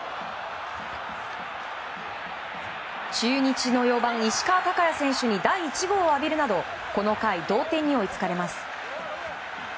中日の４番、石川昂弥選手に第１号を浴びるなどこの回、同点に追いつかれます。